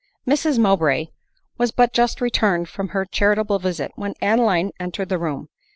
Mbs Mowbray was but just returned from her char itable visit when Adeline entered the room.